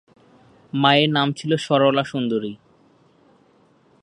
মায়ের নাম ছিল সরলা সুন্দরী।